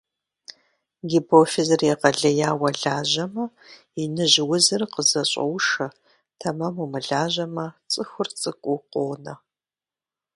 Гипофизыр егъэлеяуэ лажьэмэ, иныжь узыр къызэщӀоушэ, тэмэму мылажьэмэ - цӀыхур цӀыкӀуу къонэ.